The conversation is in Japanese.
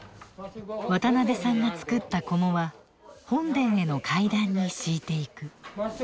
渡邉さんが作った菰は本殿への階段に敷いていく。